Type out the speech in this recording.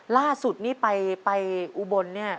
ล่าสุดนี่ไปอุบลเนี่ย